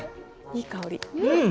いい香り。